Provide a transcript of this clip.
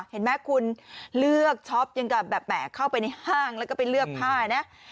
เห็นไหมคุณเลือกช็อปยังกับแบบแหมเข้าไปในห้างแล้วก็ไปเลือกผ้านะ